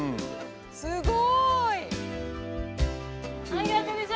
すごい！